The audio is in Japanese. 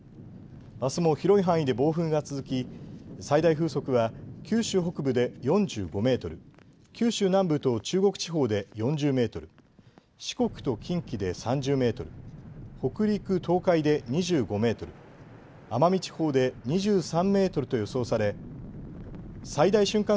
あすも広い範囲で暴風が続き最大風速は九州北部で４５メートル、九州南部と中国地方で４０メートル、四国と近畿で３０メートル、北陸、東海で２５メートル、奄美地方で２３メートルと予想され最大瞬間